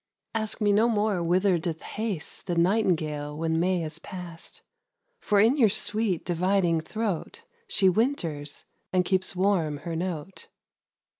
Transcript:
Ask me no more whither doth haste The nightingale when May is past; 10 For in your sweet dividing throat She winters and keeps warm her note.